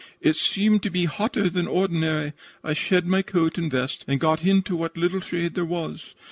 It seemed to be hotter than ordinary. I shed my coat and vest and got into what little shade there was.